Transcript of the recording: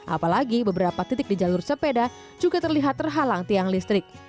apalagi beberapa titik di jalur sepeda juga terlihat terhalang tiang listrik